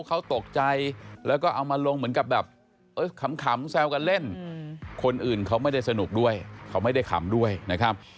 เขาตกใจแล้วก็เอามาลงเหมือนกับแบบขำแซวกันเล่นคนอื่นเขาไม่ได้สนุกด้วยเขาไม่ได้ขำด้วยนะครับ